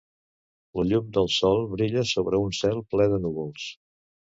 La llum del sol brilla sobre un cel ple de núvols.